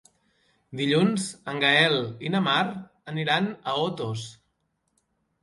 Dilluns en Gaël i na Mar aniran a Otos.